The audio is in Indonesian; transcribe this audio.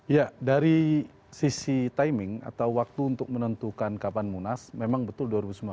ya dari sisi timing atau waktu untuk menentukan kapan munas memang betul dua ribu sembilan belas